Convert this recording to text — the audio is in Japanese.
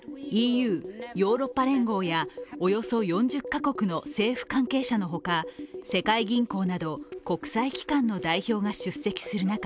ＥＵ＝ヨーロッパ連合やおよそ４０カ国の政府関係者の他世界銀行など国際機関の代表が出席する中